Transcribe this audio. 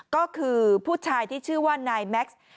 ก็คือผู้ชายที่ชื่อว่านายแม็กซ์